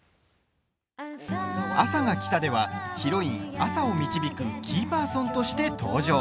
「あさが来た」ではヒロイン・あさを導くキーパーソンとして登場。